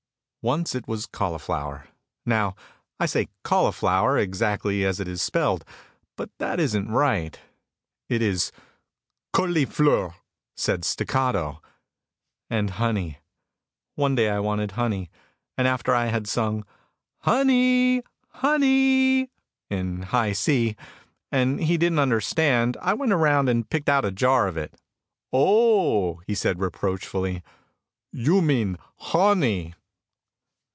Once it was cauliflower. Now, I say cauliflower exactly as it is spelled but that isn't right. It is "Culliefleur," said staccato. And honey one day I wanted honey and after I had sung "Hunnie, hunnie" in high C, and he didn't understand, I went around and picked out a jar of it. "Oh," he said reproachfully, "you min hawney."